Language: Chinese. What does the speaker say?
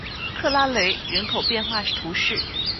克拉雷人口变化图示